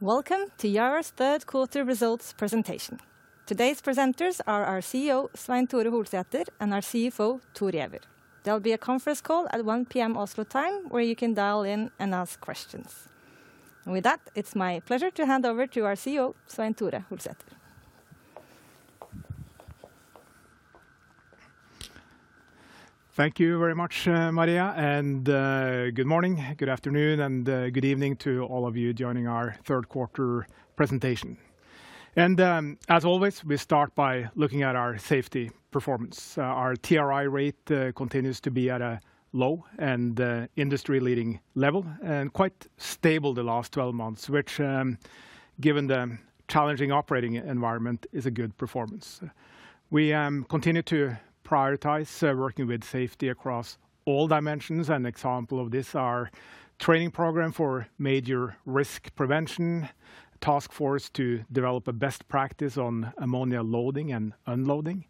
Welcome to Yara's Third Quarter Results Presentation. Today's presenters are our CEO, Svein Tore Holsether, and our CFO, Thor Giæver. There'll be a conference call at 1:00 P.M. Oslo time, where you can dial in and ask questions. With that, it's my pleasure to hand over to our CEO, Svein Tore Holsether. Thank you very much, Maria, and good morning, good afternoon, and good evening to all of you joining our third quarter presentation. As always, we start by looking at our safety performance. Our TRI rate continues to be at a low and industry-leading level, and quite stable the last 12 months, which, given the challenging operating environment, is a good performance. We continue to prioritize working with safety across all dimensions. An example of this are training program for major risk prevention, task force to develop a best practice on ammonia loading and unloading,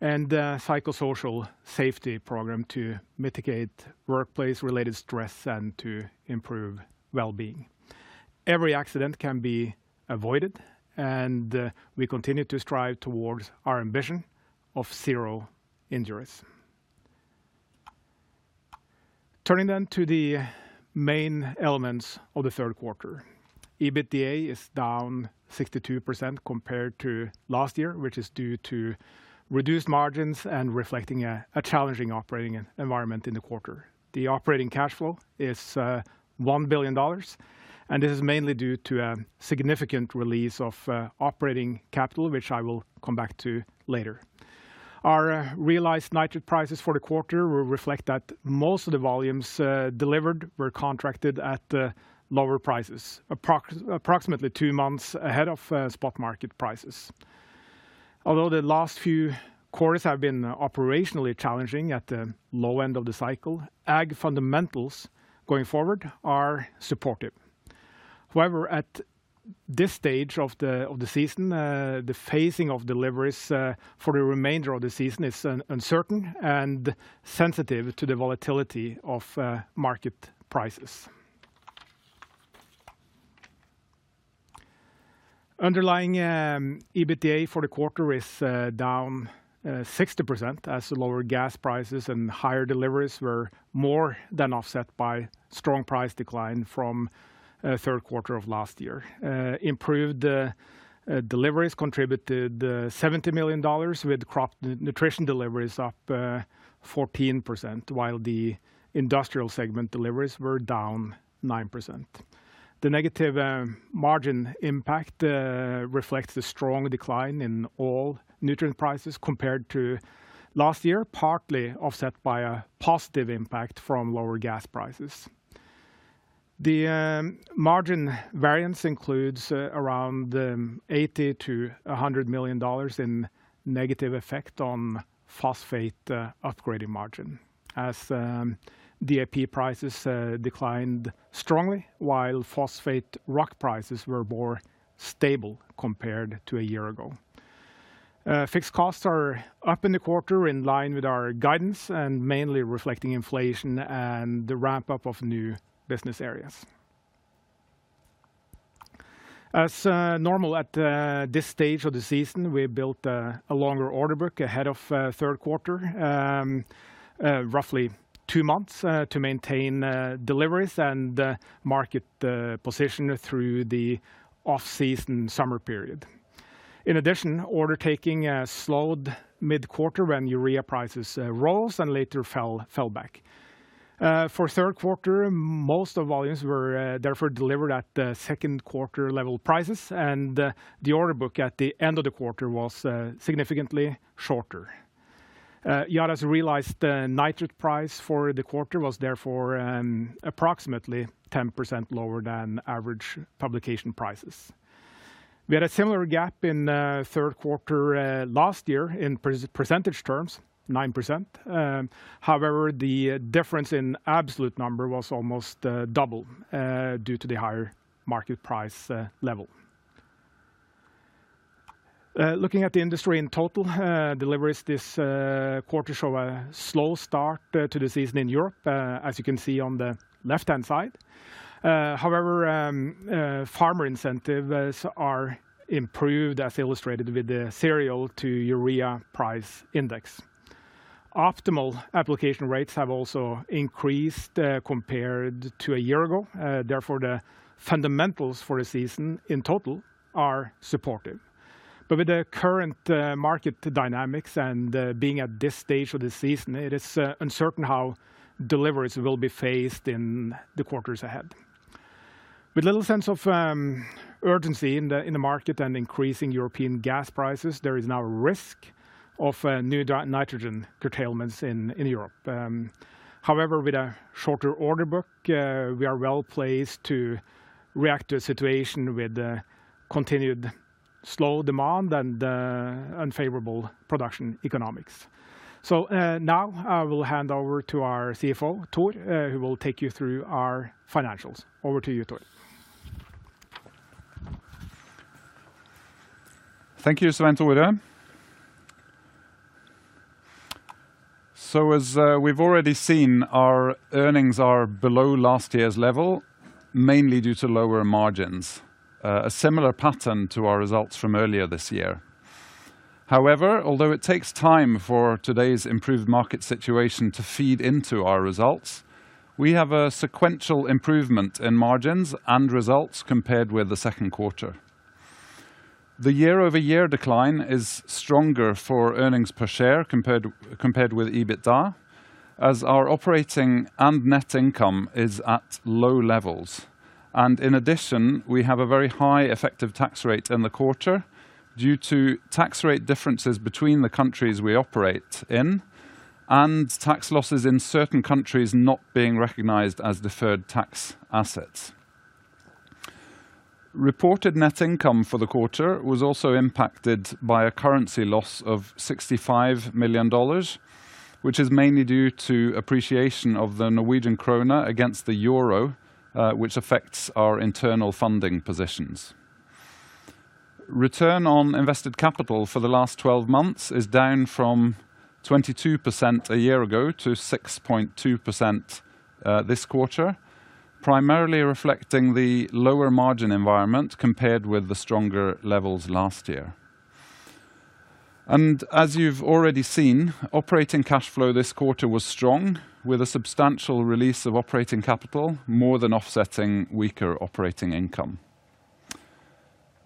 and psychosocial safety program to mitigate workplace-related stress and to improve well-being. Every accident can be avoided, and we continue to strive towards our ambition of zero injuries. Turning then to the main elements of the third quarter. EBITDA is down 62% compared to last year, which is due to reduced margins and reflecting a challenging operating environment in the quarter. The operating cash flow is $1 billion, and this is mainly due to a significant release of operating capital, which I will come back to later. Our realized nitrate prices for the quarter will reflect that most of the volumes delivered were contracted at lower prices, approximately two months ahead of spot market prices. Although the last few quarters have been operationally challenging at the low end of the cycle, ag fundamentals going forward are supportive. However, at this stage of the season, the phasing of deliveries for the remainder of the season is uncertain and sensitive to the volatility of market prices. Underlying EBITDA for the quarter is down 60% as the lower gas prices and higher deliveries were more than offset by strong price decline from third quarter of last year. Improved deliveries contributed $70 million, with crop nutrition deliveries up 14%, while the industrial segment deliveries were down 9%. The negative margin impact reflects the strong decline in all nutrient prices compared to last year, partly offset by a positive impact from lower gas prices. The margin variance includes around $80 million-$100 million in negative effect on phosphate upgrading margin, as DAP prices declined strongly, while phosphate rock prices were more stable compared to a year ago. Fixed costs are up in the quarter, in line with our guidance, and mainly reflecting inflation and the ramp-up of new business areas. As normal at this stage of the season, we built a longer order book ahead of third quarter, roughly two months, to maintain deliveries and market position through the off-season summer period. In addition, order taking slowed mid-quarter when urea prices rose and later fell back. For third quarter, most of volumes were therefore delivered at second quarter level prices, and the order book at the end of the quarter was significantly shorter. Yara's realized nitrate price for the quarter was therefore approximately 10% lower than average publication prices. We had a similar gap in third quarter last year in percentage terms, 9%. However, the difference in absolute number was almost double due to the higher market price level. Looking at the industry in total, deliveries this quarter show a slow start to the season in Europe, as you can see on the left-hand side. However, farmer incentives are improved, as illustrated with the cereal to urea price index. Optimal application rates have also increased compared to a year ago. Therefore, the fundamentals for the season in total are supportive. With the current market dynamics and being at this stage of the season, it is uncertain how deliveries will be phased in the quarters ahead. With little sense of urgency in the market and increasing European gas prices, there is now a risk of new nitrogen curtailments in Europe. However, with a shorter order book, we are well placed to react to a situation with continued slow demand and unfavorable production economics. Now I will hand over to our CFO, Thor, who will take you through our financials. Over to you, Thor. Thank you, Svein Tore. As we've already seen, our earnings are below last year's level, mainly due to lower margins. A similar pattern to our results from earlier this year. However, although it takes time for today's improved market situation to feed into our results, we have a sequential improvement in margins and results compared with the second quarter. The year-over-year decline is stronger for earnings per share compared with EBITDA, as our operating and net income is at low levels. In addition, we have a very high effective tax rate in the quarter due to tax rate differences between the countries we operate in and tax losses in certain countries not being recognized as deferred tax assets. Reported net income for the quarter was also impacted by a currency loss of $65 million, which is mainly due to appreciation of the Norwegian kroner against the euro, which affects our internal funding positions. Return on Invested Capital for the last 12 months is down from 22% a year ago to 6.2% this quarter, primarily reflecting the lower margin environment compared with the stronger levels last year. As you've already seen, operating cash flow this quarter was strong, with a substantial release of operating capital, more than offsetting weaker operating income.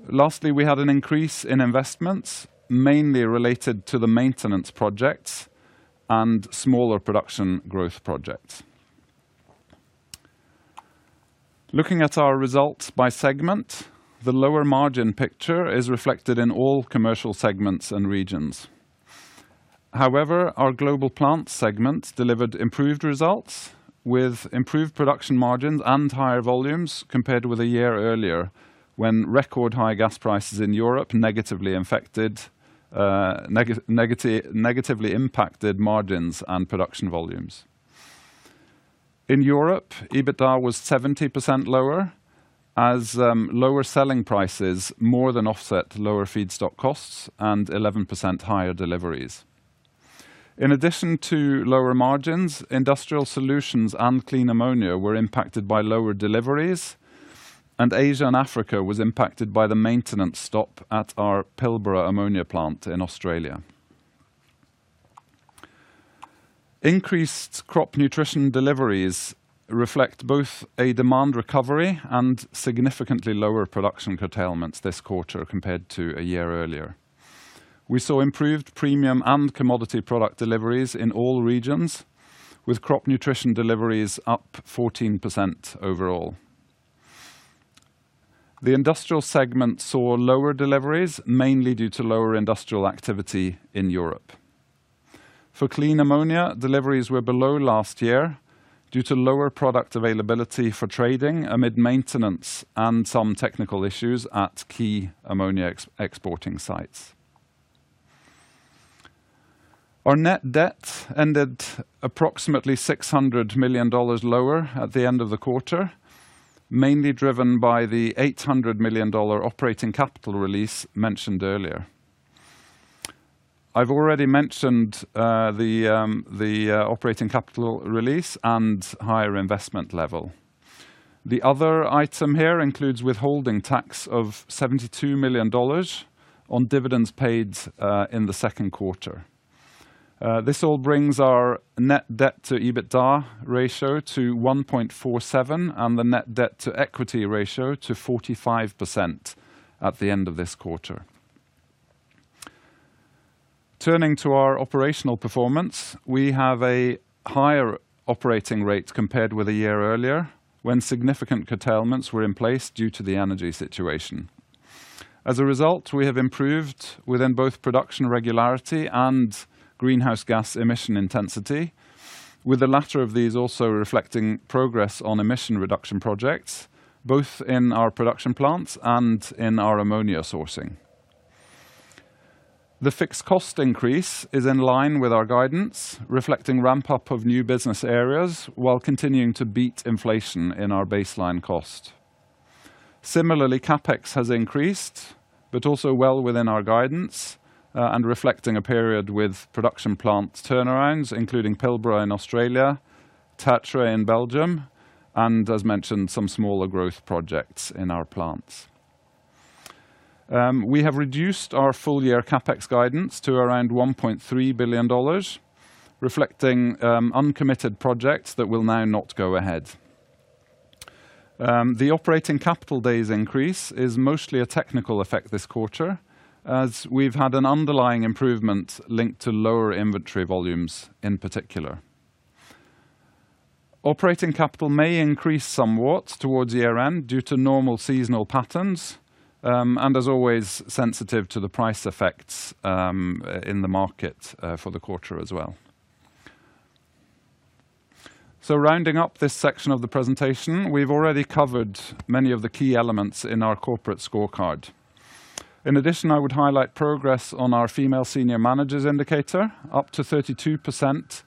Lastly, we had an increase in investments, mainly related to the maintenance projects and smaller production growth projects. Looking at our results by segment, the lower margin picture is reflected in all commercial segments and regions. However, our Global Plant segment delivered improved results with improved production margins and higher volumes compared with a year earlier, when record high gas prices in Europe negatively impacted margins and production volumes. In Europe, EBITDA was 70% lower, as lower selling prices more than offset lower feedstock costs and 11% higher deliveries. In addition to lower margins, Industrial Solutions and Clean Ammonia were impacted by lower deliveries, and Asia and Africa was impacted by the maintenance stop at our Pilbara ammonia plant in Australia. Increased crop nutrition deliveries reflect both a demand recovery and significantly lower production curtailments this quarter compared to a year earlier. We saw improved premium and commodity product deliveries in all regions, with crop nutrition deliveries up 14% overall. The industrial segment saw lower deliveries, mainly due to lower industrial activity in Europe. For Clean Ammonia, deliveries were below last year due to lower product availability for trading amid maintenance and some technical issues at key ammonia exporting sites. Our net debt ended approximately $600 million lower at the end of the quarter, mainly driven by the $800 million operating capital release mentioned earlier. I've already mentioned the operating capital release and higher investment level. The other item here includes withholding tax of $72 million on dividends paid in the second quarter. This all brings our net debt to EBITDA ratio to 1.47 and the net debt to equity ratio to 45% at the end of this quarter. Turning to our operational performance, we have a higher operating rate compared with a year earlier, when significant curtailments were in place due to the energy situation. As a result, we have improved within both production regularity and greenhouse gas emission intensity, with the latter of these also reflecting progress on emission reduction projects, both in our production plants and in our ammonia sourcing. The fixed cost increase is in line with our guidance, reflecting ramp-up of new business areas while continuing to beat inflation in our baseline cost. Similarly, CapEx has increased, but also well within our guidance and reflecting a period with production plant turnarounds, including Pilbara in Australia, Tertre in Belgium, and as mentioned, some smaller growth projects in our plants. We have reduced our full-year CapEx guidance to around $1.3 billion, reflecting uncommitted projects that will now not go ahead. The operating capital days increase is mostly a technical effect this quarter, as we've had an underlying improvement linked to lower inventory volumes in particular. Operating capital may increase somewhat towards year-end due to normal seasonal patterns and as always, sensitive to the price effects in the market for the quarter as well. Rounding up this section of the presentation, we've already covered many of the key elements in our corporate scorecard. In addition, I would highlight progress on our female senior managers indicator, up to 32%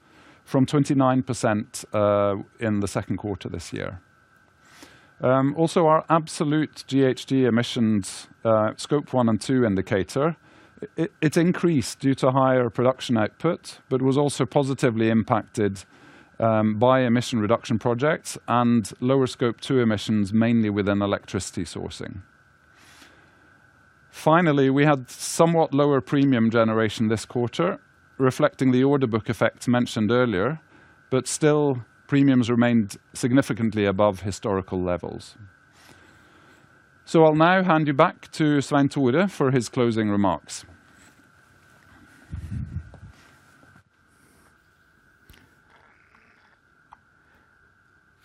from 29% in the second quarter this year. Also our absolute GHG emissions, Scope 1 and 2 indicator, it increased due to higher production output, but was also positively impacted by emission reduction projects and lower scope two emissions, mainly within electricity sourcing. Finally, we had somewhat lower premium generation this quarter, reflecting the order book effect mentioned earlier, but still premiums remained significantly above historical levels. I'll now hand you back to Svein Tore for his closing remarks.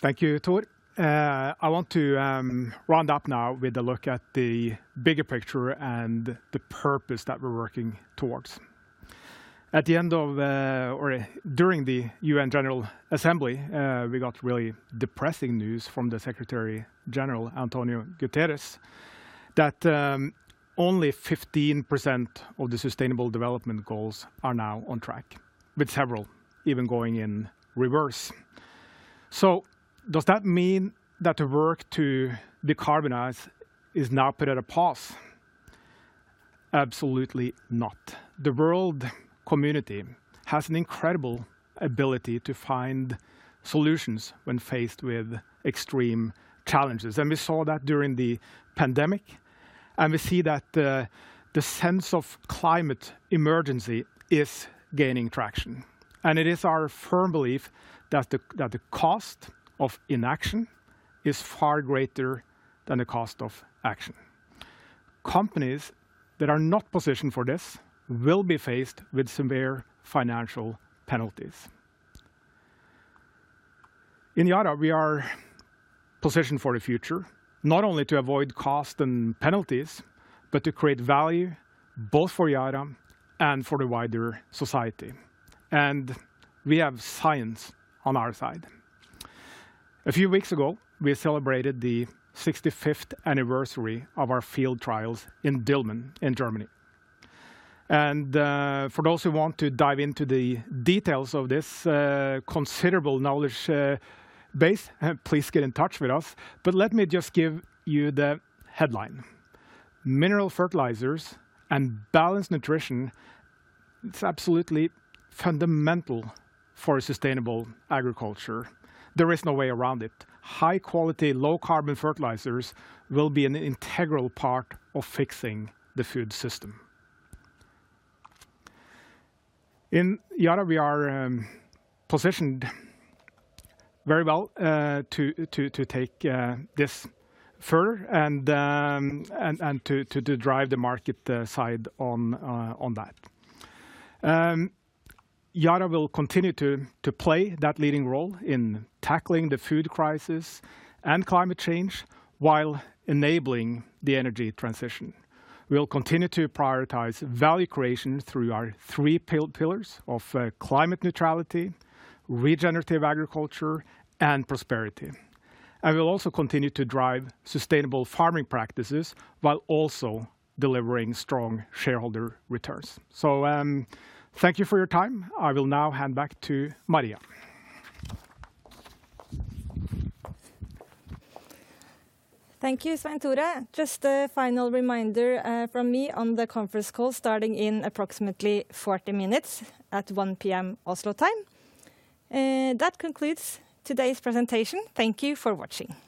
Thank you, Thor. I want to round up now with a look at the bigger picture and the purpose that we're working towards. At the end of or during the U.N. General Assembly, we got really depressing news from the Secretary-General, António Guterres, that only 15% of the Sustainable Development Goals are now on track, with several even going in reverse. Does that mean that the work to decarbonize is now put at a pause? Absolutely not. The world community has an incredible ability to find solutions when faced with extreme challenges, and we saw that during the pandemic, and we see that the sense of climate emergency is gaining traction. It is our firm belief that the cost of inaction is far greater than the cost of action. Companies that are not positioned for this will be faced with severe financial penalties. In Yara, we are positioned for the future, not only to avoid cost and penalties, but to create value both for Yara and for the wider society, and we have science on our side. A few weeks ago, we celebrated the 65th anniversary of our field trials in Dülmen, in Germany. For those who want to dive into the details of this considerable knowledge base, please get in touch with us, but let me just give you the headline. Mineral fertilizers and balanced nutrition, it's absolutely fundamental for sustainable agriculture. There is no way around it. High-quality, low-carbon fertilizers will be an integral part of fixing the food system. In Yara, we are positioned very well to take this further and to drive the market side on that. Yara will continue to play that leading role in tackling the food crisis and climate change while enabling the energy transition. We'll continue to prioritize value creation through our three pillars of climate neutrality, regenerative agriculture, and prosperity. We'll also continue to drive sustainable farming practices while also delivering strong shareholder returns. Thank you for your time. I will now hand back to Maria. Thank you, Svein Tore. Just a final reminder from me on the conference call, starting in approximately 40 minutes at 1:00 P.M. Oslo time. That concludes today's presentation. Thank you for watching.